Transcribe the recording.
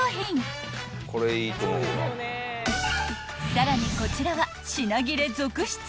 ［さらにこちらは品切れ続出］